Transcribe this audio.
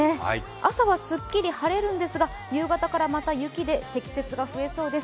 朝はすっきり晴れるんですが夕方からまた雪で積雪が増えそうです。